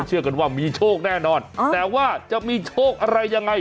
เชื่อกันว่ามีโชคแน่นอนแต่ว่าจะมีโชคอะไรยังไง